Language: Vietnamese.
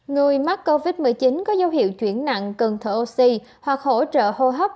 người mắc covid một mươi chín có dấu hiệu chuyển nặng cần thở oxy hoặc hỗ trợ hô hấp